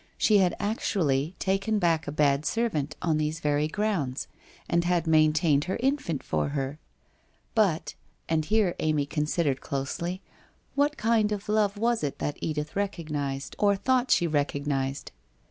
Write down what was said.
She had actually taken back a bad servant on these very grounds, and had maintained her infant for her. But — and here Amy considered closely — what kind of love was it that Edith recognized, or thought she recognized?